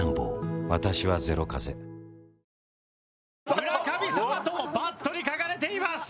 村神様とバットに書かれています。